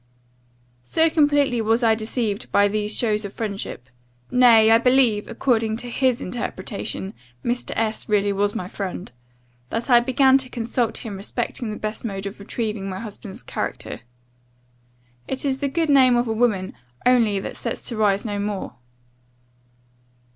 "So completely was I deceived by these shows of friendship (nay, I believe, according to his interpretation, Mr. S really was my friend) that I began to consult him respecting the best mode of retrieving my husband's character: it is the good name of a woman only that sets to rise no more.